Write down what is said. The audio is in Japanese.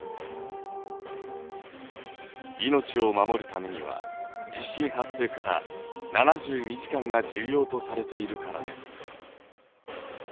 命を守るためには地震発生から７２時間が重要とされているからです。